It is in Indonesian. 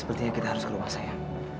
sepertinya kita harus ke rumah saya